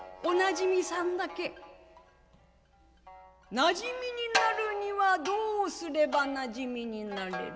「なじみになるにはどうすればなじみになれる？」。